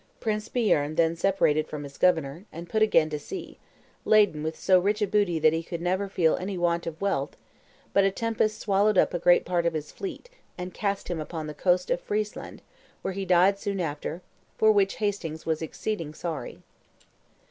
Prince Bieern then separated from his governor, and put again to sea, "laden with so rich a booty that he could never feel any want of wealth; but a tempest swallowed up a great part of his fleet, and cast him upon the coasts of Friesland, where he died soon after, for which Hastings was exceeding sorry."